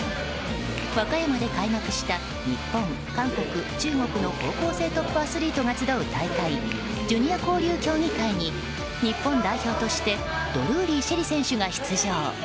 和歌山で開幕した日本、韓国、中国の高校生トップアスリートが集う大会、ジュニア交流競技会に日本代表としてドルーリー朱瑛里選手が出場。